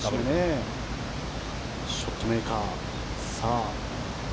ショットメーカー。